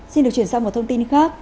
xin được chuyển sang một thông tin khác